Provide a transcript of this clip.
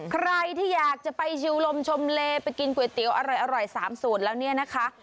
ใครที่อยากจะไปชิวลมชมเลไปกินก๋วยเตี๋ยวอร่อย๓สูตรแล้วเนี่ยนะคะ